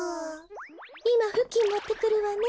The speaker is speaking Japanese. いまふきんもってくるわね。